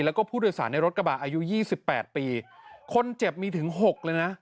แล้วก็ผู้โดยสารในรถกระบะอายุยี่สิบแปดปีคนเจ็บมีถึงหกเลยนะ